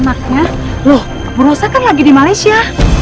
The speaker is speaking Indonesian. masa iya sih bu rosa ga dapet pekir hanya anaknya